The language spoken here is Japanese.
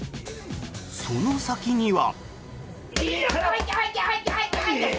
その先には。